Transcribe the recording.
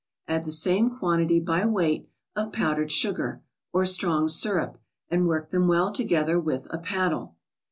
Add the same quantity, by weight, of powdered sugar, or strong syrup, and work them well together with a paddle.